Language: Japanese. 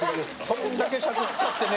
そんだけ尺使ってね